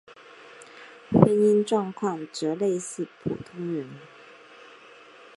婚姻状况则类似普通人。